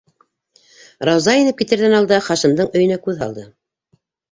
Рауза, инеп китерҙән алда, Хашимдың өйөнә күҙ һалды.